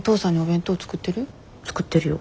作ってるよ。